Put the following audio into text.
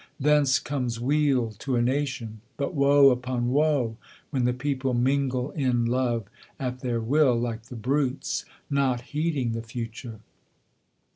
Thence comes weal to a nation: but woe upon woe, when the people Mingle in love at their will, like the brutes, not heeding the future.'